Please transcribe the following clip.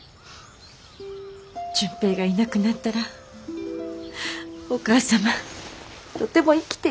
純平がいなくなったらお母様とても生きていけない。